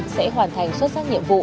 sẽ hoàn thành xuất sắc nhiệm vụ